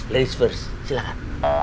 ladies first silahkan